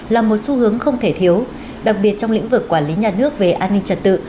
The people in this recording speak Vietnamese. là một xu hướng không thể thiếu đặc biệt trong lĩnh vực quản lý nhà nước về an ninh trật tự